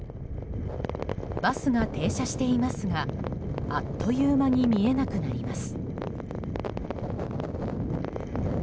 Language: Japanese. バスが停車していますがあっという間に見えなくなります。